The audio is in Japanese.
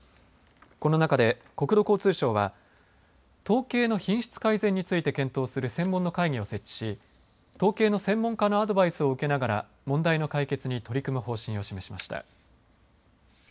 この中で国土交通省は統計の品質改善について検討する専門の会議を設置し統計の専門家のアドバイスを受けながら問題の解決に取り組む方針を示しました。